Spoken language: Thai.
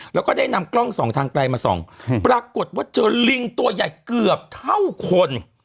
แล้วก็ได้นำกล้องส่องทางไกลมาส่องปรากฏว่าเจอลิงตัวใหญ่เกือบเท่าคน